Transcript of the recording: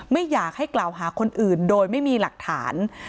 ไม่อยากให้กล่าวหาคนอื่นโดยไม่มีหลักฐาน